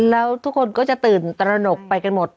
แล้วทุกคนก็จะตื่นตระหนกไปกันหมด